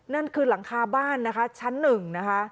นั่นคือหลังคาบ้านนะคะชั้นหนึ่งนะคะ